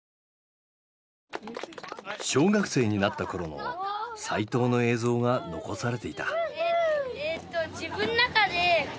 小学生になった頃の齋藤の映像が残されていた。